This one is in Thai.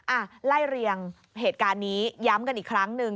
อ่ะไล่เรียงเหตุการณ์นี้ย้ำกันอีกครั้งหนึ่ง